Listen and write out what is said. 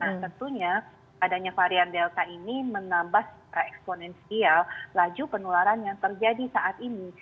nah tentunya adanya varian delta ini menambah secara eksponensial laju penularan yang terjadi saat ini